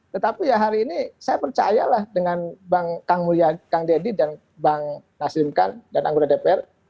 tetapi ya hari ini saya percayalah dengan bang kang mulya kang deddy dan bang nasim khan dan anggota dpr